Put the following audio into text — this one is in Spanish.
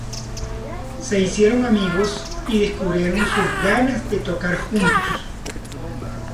Se hicieron amigos y descubrieron sus ganas de tocar juntos.